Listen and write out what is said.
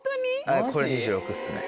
はいこれ２６っすね。